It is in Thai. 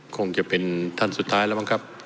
คงจะเป็นท่านสุดท้ายแล้วมั้งครับ